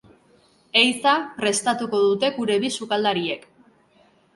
Ehiza prestatuko dute gure bi sukaldariek.